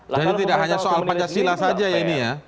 jadi tidak hanya soal pancasila saja ya ini ya